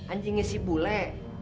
anjingnya si bule